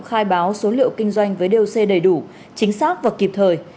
khai báo số liệu kinh doanh với doc đầy đủ chính xác và kịp thời